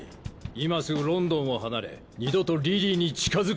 今すぐロンドンを離れ二度とリリーに近づくな。